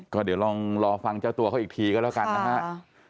ก็เดี๋ยวลองรอฟังเจ้าตัวเขาอีกทีก็แล้วกันนะครับ